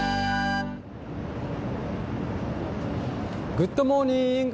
グッドモーニング！